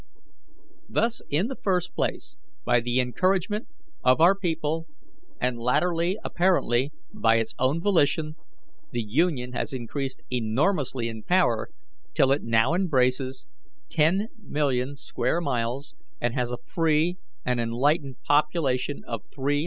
"Thus, in the first place, by the encouragement of our people, and latterly, apparently, by its own volition, the Union has increased enormously in power, till it now embraces 10,000,000 square miles, and has a free and enlightened population of 300,000,000.